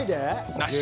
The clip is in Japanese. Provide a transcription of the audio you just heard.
なし。